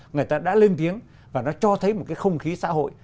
người ta đã lên tiếng và nó cho thấy một cái không khí xã hội